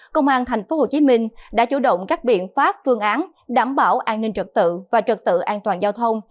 công an tp hcm đã chủ động các biện pháp phương án đảm bảo an ninh trật tự và trật tự an toàn giao thông